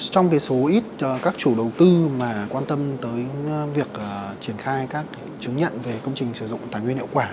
trong số ít các chủ đầu tư mà quan tâm tới việc triển khai các chứng nhận về công trình sử dụng tài nguyên hiệu quả